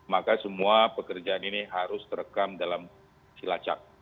maka semua pekerjaan ini harus terekam dalam si lacak